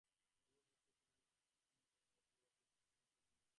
রঘুপতি পুনর্বার পৌরহিত্য গ্রহণ করিলেন।